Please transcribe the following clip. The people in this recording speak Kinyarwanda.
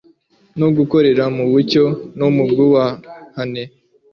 no gukorera mu mucyo no mu bwubahane